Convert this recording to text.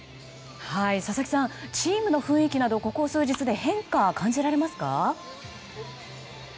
佐々木さん、チームの雰囲気などここ数日で変化感じられますか？